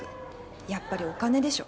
やっぱりお金でしょ。